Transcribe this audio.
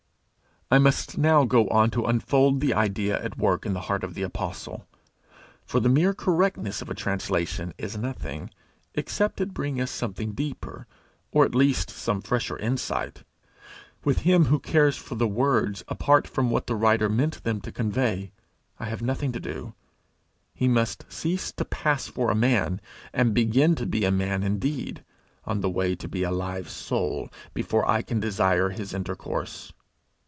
I must now go on to unfold the idea at work in the heart of the apostle. For the mere correctness of a translation is nothing, except it bring us something deeper, or at least some fresher insight: with him who cares for the words apart from what the writer meant them to convey, I have nothing to do: he must cease to 'pass for a man' and begin to be a man indeed, on the way to be a live soul, before I can desire his intercourse.